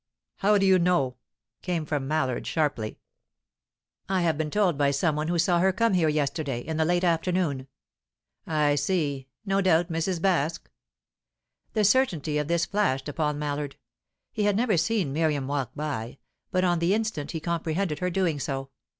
"How do you know?" came from Mallard, sharply. "I have been told by some one who saw her come here yesterday, in the late afternoon." "I see. No doubt, Mrs. Baske?" The certainty of this flashed upon Mallard. He had never seen Miriam walk by, but on the instant he comprehended her doing so.